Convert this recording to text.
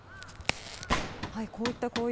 こういった紅葉